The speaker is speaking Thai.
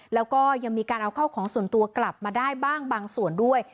แล้วก็ยังมีการเอาเข้าของส่วนตัวกลับมาได้บ้างบางส่วนด้วย